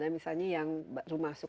misalnya yang baru masuk